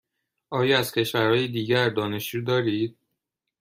آیا از کشورهای دیگر دانشجو دارید؟